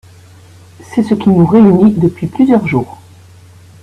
C’est ce qui nous réunit depuis plusieurs jours.